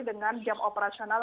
dengan jam operasional